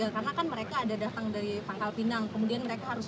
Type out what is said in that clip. dari pangkal pinang kemudian mereka harus